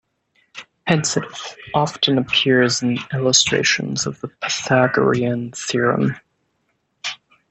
Hence it often appears in illustrations of the Pythagorean theorem.